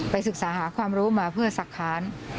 ศึกษาหาความรู้มาเพื่อสักค้าน